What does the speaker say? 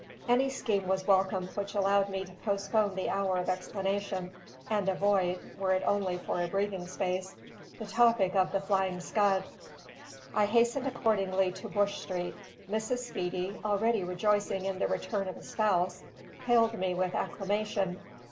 Any scheme was welcome which allowed me to postpone the hour of explanation, and avoid (were it only for a breathing space) the topic of the Flying Scud. I hastened accordingly to Bush Street. Mrs. Speedy, already rejoicing in the return of a spouse, hailed me with acclamation.